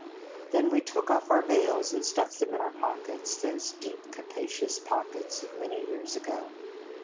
Then we took off our veils, and stuffed them in our pockets, those deep, capacious pockets of many years ago.